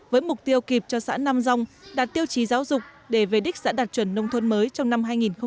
với mục tiêu kịp cho xã nam dông đạt tiêu chí giáo dục để về đích xã đạt chuẩn nông thuận mới trong năm hai nghìn một mươi bảy